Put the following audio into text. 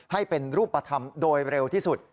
ให้เป็นรูปธรรมโดยเร็วที่สุด